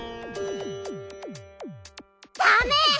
ダメ！